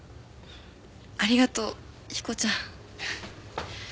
ありがとう彦ちゃん。